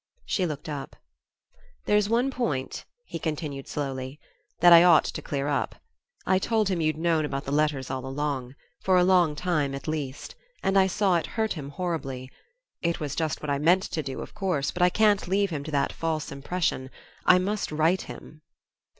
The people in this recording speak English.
She looked up. "There's one point," he continued, slowly, "that I ought to clear up. I told him you'd known about the letters all along; for a long time, at least; and I saw it hurt him horribly. It was just what I meant to do, of course; but I can't leave him to that false impression; I must write him."